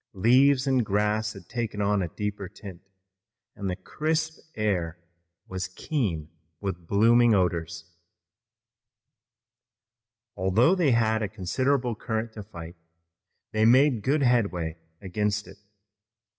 Leaves and grass had taken on a deeper tint, and the crisp air was keen with blooming odors. Although they soon had a considerable current to fight, they made good headway against it.